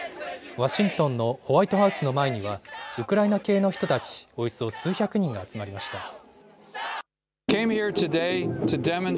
ワシントンのホワイトハウスの前にはウクライナ系の人たちおよそ数百人が集まりました。